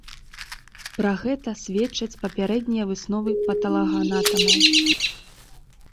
Пра гэта сведчаць папярэднія высновы патолагаанатамаў.